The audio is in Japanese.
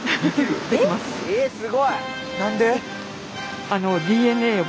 えっすごい！